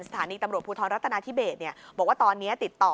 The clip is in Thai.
สถานีตำรวจภูทรรัฐนาธิเบสบอกว่าตอนนี้ติดต่อ